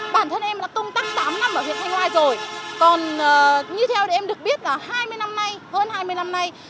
bản thân em đã tung tắc tám năm ở huyện thanh hoa rồi còn như theo em được biết là hơn hai mươi năm nay